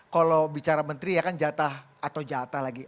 kalau bicara menteri ya kan jatah atau jatah lagi